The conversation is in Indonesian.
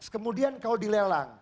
kemudian kalau dilelang